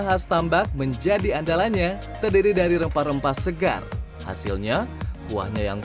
dan tambak menjadi andalanya terdiri dari rempah rempah segar hasilnya buahnya yang